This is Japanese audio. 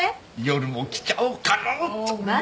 夜も来ちゃおうかな。